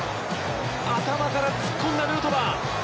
頭から突っ込んだヌートバー。